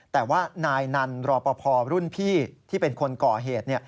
แต่ว่านายนันรอปภรุ่นพี่ที่เป็นคนก่อเหตุ